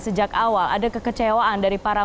sejak awal ada kekecewaan dari para